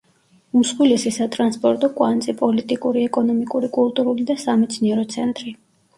უმსხვილესი სატრანსპორტო კვანძი, პოლიტიკური, ეკონომიკური, კულტურული და სამეცნიერო ცენტრი.